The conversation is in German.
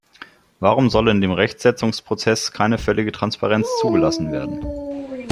Warum soll in dem Rechtssetzungsprozess keine völlige Transparenz zugelassen werden?